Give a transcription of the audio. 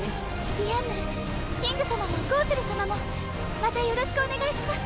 ディアンヌキング様もゴウセル様もまたよろしくお願いします。